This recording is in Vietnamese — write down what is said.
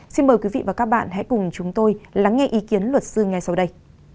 xin mời quý vị và các bạn hãy cùng chúng tôi lắng nghe ý kiến luật sư ngay sau đây